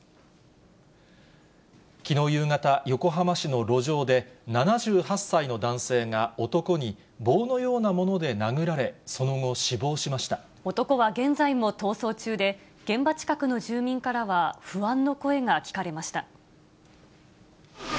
きのう夕方、横浜市の路上で、７８歳の男性が男に棒のようなもので殴られ、その後、死亡しまし男は現在も逃走中で、現場近くの住民からは不安の声が聞かれました。